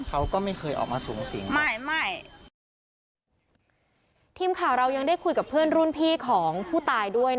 ทีมข่าวเรายังได้คุยกับเพื่อนรุ่นพี่ของผู้ตาย